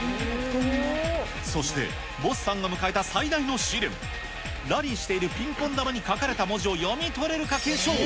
そしてＢＯＳＳさんが迎えた最大の試練、ラリーしているピンポン玉に書かれた文字を読み取れるか検証。